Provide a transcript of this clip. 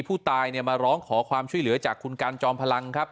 ผู้ตายเนี่ยมาร้องขอความช่วยเหลือจากคุณการจอมพลังครับ